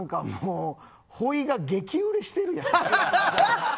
ほいが激売れしてるやん。